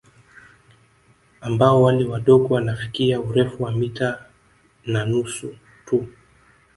Ambao wale wadogo wanafikia urefu wa mita na nusu tu